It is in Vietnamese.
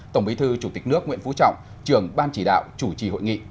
tổng bí thư chủ tịch nước nguyễn phú trọng trưởng ban chỉ đạo chủ trì hội nghị